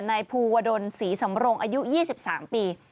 นายภูวดลศรีสำรงอายุ๒๓ปี